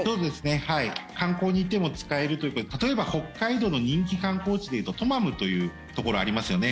観光に行っても使えるということで例えば北海道の人気観光地でいうとトマムというところありますよね。